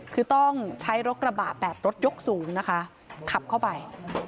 คือต้องใช้รถกระบะแบบรถยกสูงนะคะขับเข้าไป